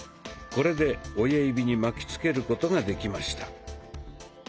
これで親指に巻きつけることができました。